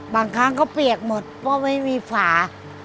บางครั้งก็เปียกหมดเพราะไม่มีฝา